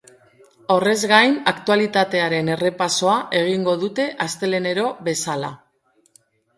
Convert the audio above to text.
Horrez gain, aktualitatearen errepasoa egingo dute astelehenero bezala.